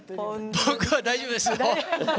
僕は大丈夫ですよ！